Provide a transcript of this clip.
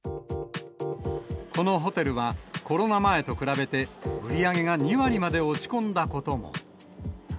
このホテルは、コロナ前と比べて、売り上げが２割まで落ち込んだことも。